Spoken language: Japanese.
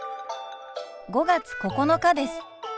５月９日です。